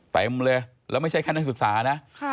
เต็มเลยแล้วไม่ใช่แค่นักศึกษานะ